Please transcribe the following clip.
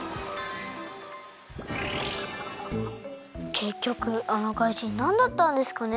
けっきょくあのかいじんなんだったんですかね？